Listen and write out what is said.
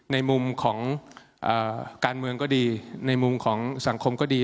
ในมุมของการเมืองก็ดีในมุมของสังคมก็ดี